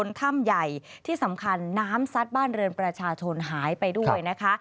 ถ้ำใหญ่ที่สำคัญน้ำซัดบ้านเรือนประชาชนหายไปด้วยนะคะ